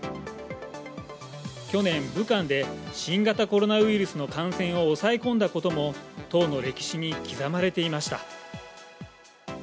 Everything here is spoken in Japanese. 去年、武漢で新型コロナウイルスの感染を抑え込んだことも党の歴史に刻まれていました。